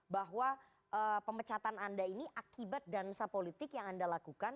bahwa pemecatan anda ini akibat dansa politik yang anda lakukan